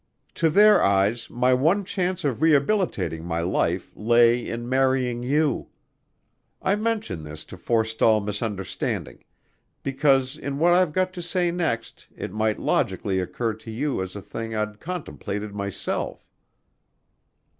"To their eyes, my one chance of rehabilitating my life lay in marrying you. I mention this to forestall misunderstanding; because in what I've got to say next it might logically occur to you as a thing I'd contemplated myself."